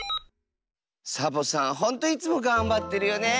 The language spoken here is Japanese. サボさんほんといつもがんばってるよねえ。